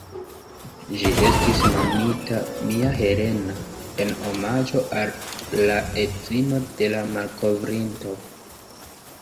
Ĝi estis nomita ""Mia Helena"" en omaĝo al la edzino de la malkovrinto.